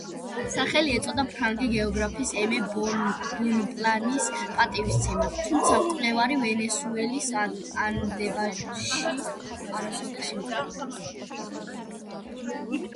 სახელი ეწოდა ფრანგი გეოგრაფის ემე ბონპლანის პატივსაცემად, თუმცა მკვლევარი ვენესუელის ანდებში არასოდეს იმყოფებოდა.